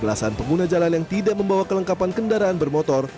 belasan pengguna jalan yang tidak membawa kelengkapan kendaraan bermotor